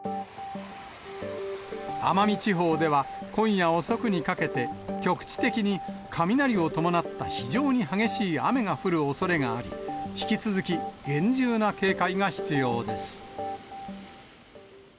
奄美地方では、今夜遅くにかけて、局地的に雷を伴った非常に激しい雨が降るおそれがあり、引き続き厳重な警戒が必要です。